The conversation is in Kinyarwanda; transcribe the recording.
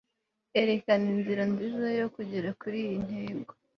erekana inzira nziza yo kugera kuriyi ntego